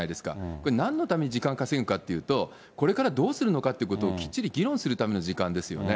これなんのために時間稼ぐかっていうと、これからどうするのかということを、きっちり議論するための時間ですよね。